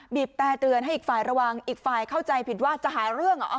บีบแต่เตือนให้อีกฝ่ายระวังอีกฝ่ายเข้าใจผิดว่าจะหาเรื่องเหรอ